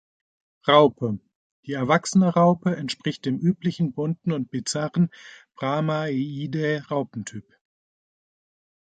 Raupe: Die erwachsene Raupe entspricht dem üblichen bunten und bizarren Brahmaeidae-Raupentyp.